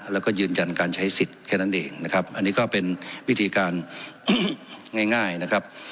แล้วก็ยืนยันการใช้สิทธิ์แค่นั้นเองนะครับอันนี้ก็เป็นวิธีการง่ายนะครับ